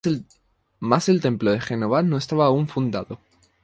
mas el templo de Jehová no estaba aún fundado.